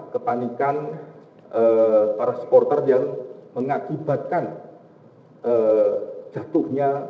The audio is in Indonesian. kepanikan para supporter yang mengakibatkan jatuhnya